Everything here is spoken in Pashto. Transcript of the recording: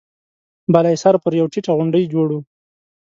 بالا حصار پر يوه ټيټه غونډۍ جوړ و.